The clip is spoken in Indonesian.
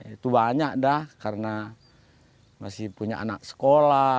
itu banyak dah karena masih punya anak sekolah